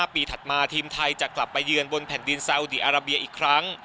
ปีถัดมาทีมไทยจะกลับไปเยือนบนแผ่นดินซาอุดีอาราเบียอีกครั้ง